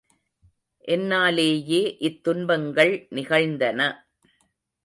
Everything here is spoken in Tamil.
என்னாலேயே இத் துன்பங்கள் நிகழ்ந்தன.